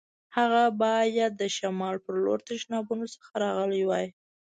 هغه باید د شمال په لور تشنابونو څخه راغلی وای.